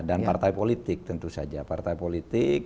dan partai politik tentu saja partai politik